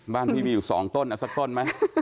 พี่มีอยู่๒ต้นสักต้นไหม